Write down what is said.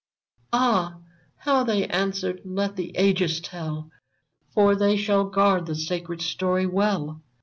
X. Ah ! how they answered let the ages tell. For they shall guard the sacred story well